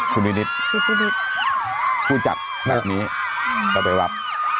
คุณพินิศคุณจัดแบบนี้เขาไปรับ